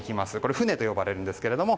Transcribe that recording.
舟と呼ばれるんですけれども。